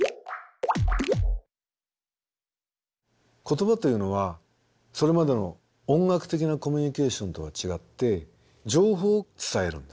言葉というのはそれまでの音楽的なコミュニケーションとは違って情報を伝えるんですね。